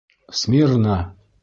Смирно!